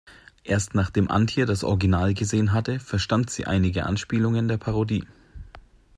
Erst nachdem Antje das Original gesehen hatte, verstand sie einige Anspielungen der Parodie.